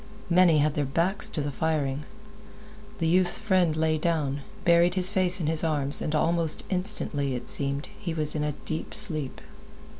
Many had their backs to the firing. The youth's friend lay down, buried his face in his arms, and almost instantly, it seemed, he was in a deep sleep.